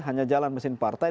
hanya jalan mesin partai